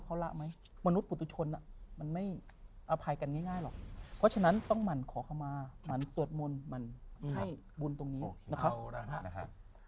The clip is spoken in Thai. เพราะฉะนั้นต้องหมั่นขอคำมาหมั่นสวดมนต์หมั่นให้บุญตรงนี้นะครับ